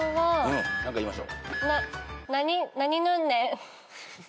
何か言いましょう。